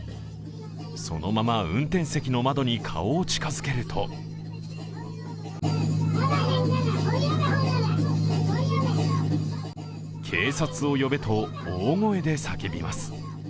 そのまま運転席の窓に顔を近づけると警察を呼べと大声で叫びます。